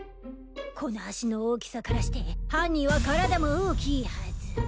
この足の大きさからして犯人は体も大きいはず。